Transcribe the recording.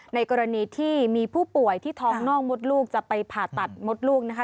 ในกรณีที่มีผู้ป่วยที่ท้องนอกมดลูกจะไปผ่าตัดมดลูกนะคะ